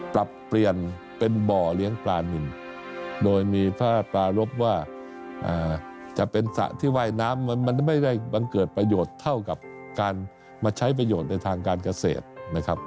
ปรับเปลี่ยนเป็นบ่อเลี้ยงปลานินโดยมีพระราชปารพว่าจะเป็นสระที่ว่ายน้ำมันไม่ได้บังเกิดประโยชน์เท่ากับการมาใช้ประโยชน์ในทางการเกษตรนะครับ